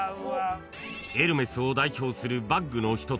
［エルメスを代表するバッグの一つ